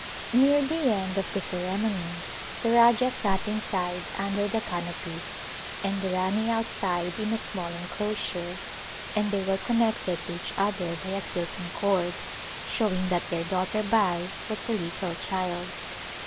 Near the end of the ceremony the Rajah sat inside under the canopy and the Rani outside in a small en closure and they were connected to each other by a silken cord, showing that their daughter Bai was a legal child.